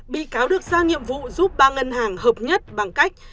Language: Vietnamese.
bị cáo được giao nhiệm vụ giúp ba ngân hàng hợp nhất bằng cách